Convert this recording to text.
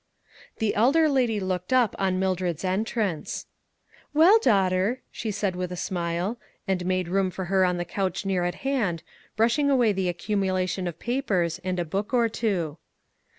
The elder lady looked up, on Mildred's entrance :" Well, daughter," she said with a smile, and made room for her on the couch near SHADOWED LIVES. 377 at hand, brushing away the accumulation of papers and a book or two.